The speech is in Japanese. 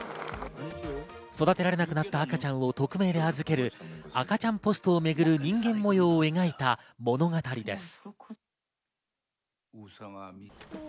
育てられなくなった赤ちゃんを匿名で預ける赤ちゃんポストをめぐる人間模様を描いた物語です。